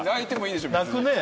泣くね。